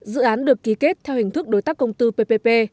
dự án được ký kết theo hình thức đối tác công tư ppp